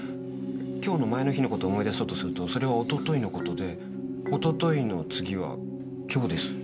今日の前の日の事を思い出そうとするとそれはおとといの事でおとといの次は今日です。